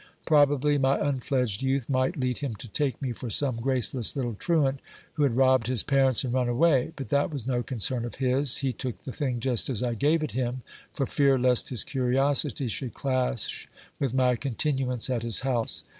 Probably my un fledged youth might lead him to take me for some graceless little truant who had robbed his parents and run away. But that was no concern of his : he took the thing just as I gave it him, for fear lest his curiosity should clash with my continuance at his house.